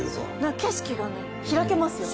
景色が開けますよね。